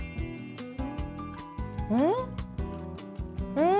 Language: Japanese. うん？